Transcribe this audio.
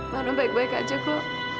mano baik baik aja bu